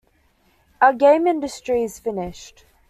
Our game industry is finished.